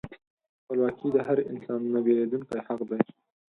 خپلواکي د هر انسان نهبیلېدونکی حق دی.